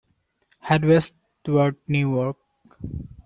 Head west toward New York.